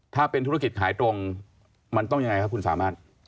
ถ้าเป็นธุรกิจหายตรงมันต้องยังไงครับคุณสามารถ